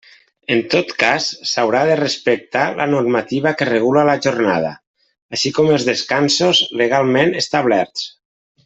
En tot cas s'haurà de respectar la normativa que regula la jornada, així com els descansos legalment establerts.